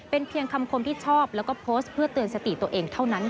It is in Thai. เป็นเพียงคำคมที่ชอบแล้วก็โพสต์เพื่อเตือนสติตัวเองเท่านั้น